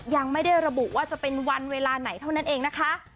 ยังไม่ได้ระบุว่าจะเป็นวันเวลาไหนเท่านั้นเองนะคะ